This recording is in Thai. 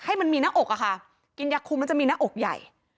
ให้มันมีหน้าอกอ่ะค่ะกินอยากคุมจะมีหน้าอกใหญ่